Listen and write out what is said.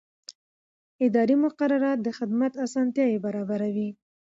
اداري مقررات د خدمت اسانتیا برابروي.